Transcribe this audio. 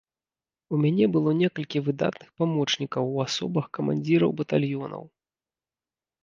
У мяне было некалькі выдатных памочнікаў у асобах камандзіраў батальёнаў.